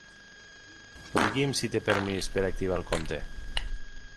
Digui'm si té permís per activar el compte.